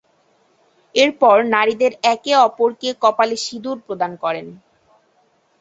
এর পর নারীদের একে অপরকে কপালে সিঁদুর প্রদান করেন।